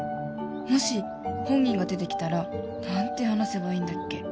もし本人が出てきたら何て話せばいいんだっけ？